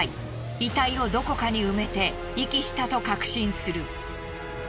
遺体をどこかに埋めて遺棄したと確信する。